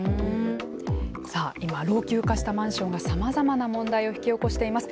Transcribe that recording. さあ今老朽化したマンションがさまざまな問題を引き起こしています。